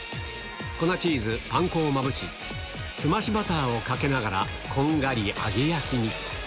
粉チーズ、パン粉をまぶし、澄ましバターをかけながら、こんがり揚げ焼きに。